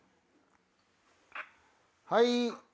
はい。